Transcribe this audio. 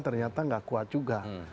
ternyata nggak kuat juga